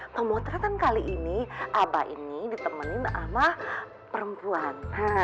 pemotretan kali ini abah ini ditemenin sama perempuan